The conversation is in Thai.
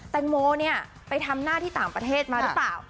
แตงโมไปทำหน้าที่ต่างประเทศมารึเปล่า